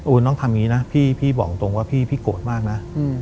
น้องทำอย่างนี้นะพี่บอกตรงว่าพี่โกรธมากนะ